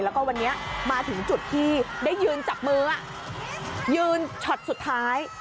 แล้วก็วันนี้มาถึงจุดที่ได้ยืนจับมือยืนช็อตสุดท้าย